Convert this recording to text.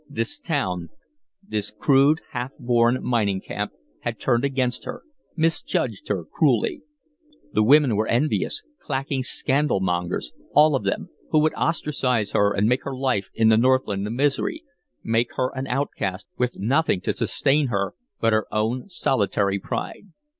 This town this crude, half born mining camp had turned against her, misjudged her cruelly. The women were envious, clacking scandal mongers, all of them, who would ostracize her and make her life in the Northland a misery, make her an outcast with nothing to sustain her but her own solitary pride.